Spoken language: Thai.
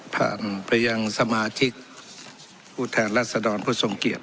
ผ่านไปยังสมาชิกผู้แทนรัศดรผู้ทรงเกียจ